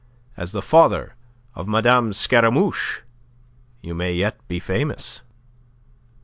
As the father of Madame Scaramouche you may yet be famous."